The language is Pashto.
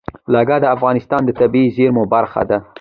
جلګه د افغانستان د طبیعي زیرمو برخه ده.